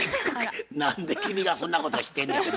何で君がそんなこと知ってんねや。